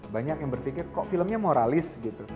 banyak yang berpikir kok filmnya moralis gitu